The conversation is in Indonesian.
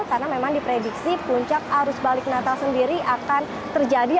karena memang diprediksi puncak arus balik natal sendiri akan terjadi